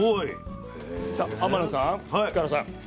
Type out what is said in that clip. さあ天野さん塚原さん